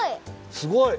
すごい！